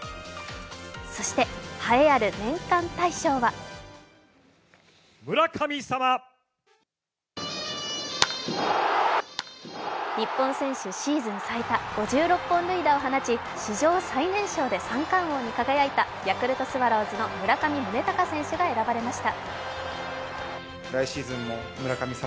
そして栄えある年間大賞は日本選手シーズン最多５６本塁打を放ち史上最年少で三冠王に輝いたヤクルトスワローズの村上宗隆選手が選ばれました。